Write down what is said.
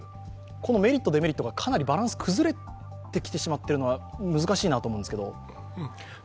このメリット、デメリットがかなりバランス崩れてきてしまっているのは難しいなと思うんですが。